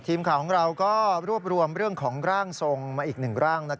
ทีมข่าวของเราก็รวบรวมเรื่องของร่างทรงมาอีกหนึ่งร่าง